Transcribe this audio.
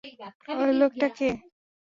ঐ লোকটা কে?